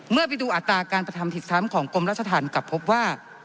เมื่อไปดูอัตราการกระทำผิดซ้ำของกรมราชธรรมกลับพบว่า